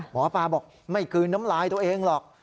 หมอปลาบอกไม่กลืนน้ำลายตัวเองหรอก